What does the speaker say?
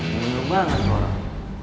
bener banget lu orang